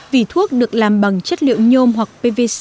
vỉ thuốc được làm bằng chất liệu nhôm hoặc pvic